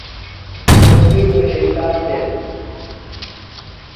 سوۡ بِیڈو شیطان دےۡ۔